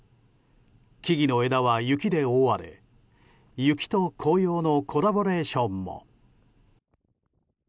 木々の枝は雪で覆われ雪と紅葉のコラボレーションも。